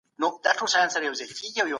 د صنايعو تاريخي اهميت څه دی؟